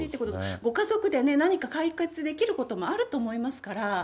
ご家族で何か解決できることもあると思いますから。